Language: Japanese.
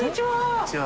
こんにちは。